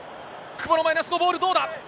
久保のマイナスのボール、どうだ？